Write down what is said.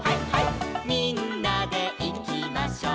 「みんなでいきましょう」